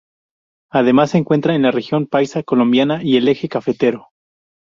Además, se encuentra en la Región Paisa colombiana y el Eje Cafetero.